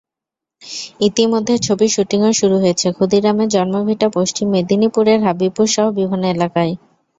ইতিমধ্যে ছবির শুটিংও শুরু হয়েছে ক্ষুদিরামের জন্মভিটা পশ্চিম মেদিনীপুরের হাবিবপুরসহ বিভিন্ন এলাকায়।